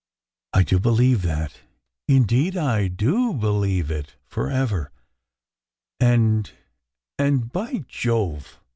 " I do believe that, indeed I do believe it, forever. And and by Jove!